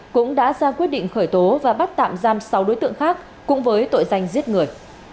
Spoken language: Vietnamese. cũng đã ra quyết định khởi tố và bắt tạm giam sáu đối tượng khác cũng với tội danh giết người